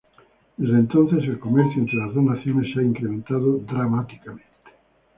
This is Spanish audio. Desde entonces, el comercio entre las dos naciones se ha incrementado dramáticamente.